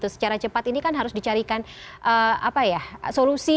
secara cepat ini kan harus dicarikan solusi